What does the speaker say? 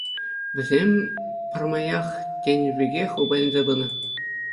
Вӗсем пӗрмаях тенӗ пекех упаленсе пынӑ.